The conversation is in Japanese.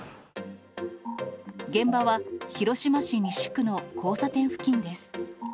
現場は、広島市西区の交差点付近です。